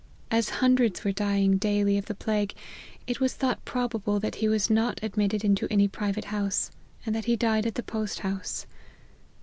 As hundreds were dying daily of the plague, it was thought pro bable that he was not admitted into any private house, and that he died at the post house.